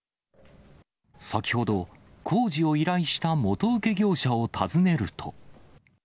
先ほど、工事を依頼した元請け業者を訪ねると。